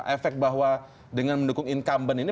efek bahwa dengan mendukung incumbent ini